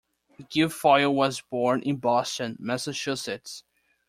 Guilfoyle was born in Boston, Massachusetts.